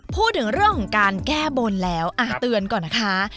พูดถึงเรื่องแก้บนแล้วอ่าเตือนก่อนนะคะ